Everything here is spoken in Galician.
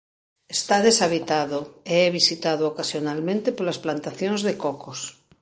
Está deshabitado e é visitado ocasionalmente polas plantacións de cocos.